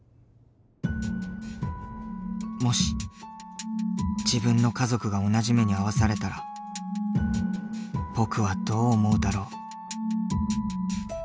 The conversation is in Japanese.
もし自分の家族が同じ目に遭わされたら僕はどう思うだろう？